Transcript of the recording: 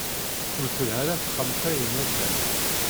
Ur telha ara texxamt-a i nadam.